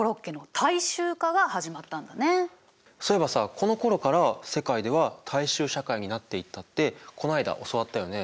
そういえばさこのころから世界では大衆社会になっていったってこの間教わったよね。